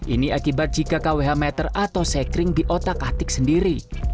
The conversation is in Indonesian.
ini akibat jika kwh meter atau sekring diotak atik sendiri